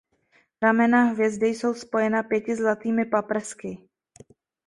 Ramena hvězdy jsou spojena pěti zlatými paprsky.